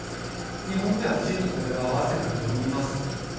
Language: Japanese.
２本目は、きちんと合わせてくると思います。